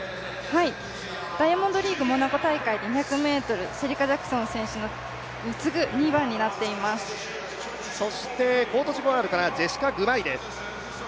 ダイヤモンドリーグモナコ大会で２００ｍ、シェリカ・ジャクソン選手に次ぐそしてコートジボワールからジェシカ・グバイです。